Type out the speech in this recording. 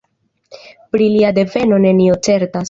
Pri lia deveno nenio certas.